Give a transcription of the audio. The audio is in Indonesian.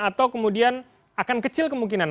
atau kemudian akan kecil kemungkinan